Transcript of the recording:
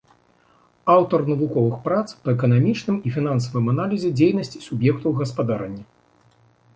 Аўтар навуковых прац па эканамічным і фінансавым аналізе дзейнасці суб'ектаў гаспадарання.